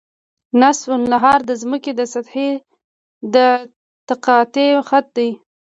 نصف النهار د ځمکې د سطحې د تقاطع خط دی